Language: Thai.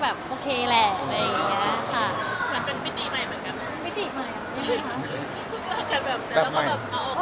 คือยังเป็นวิธีใหม่เหมือนกัน